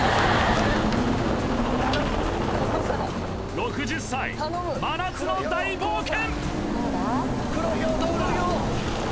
６０歳真夏の大冒険！